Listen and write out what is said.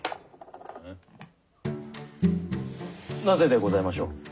なぜでございましょう？